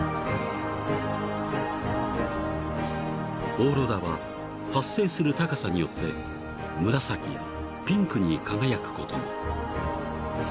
［オーロラは発生する高さによって紫やピンクに輝くことも］